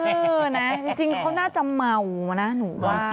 เออนะจริงเขาน่าจะเมามานะหนูว่า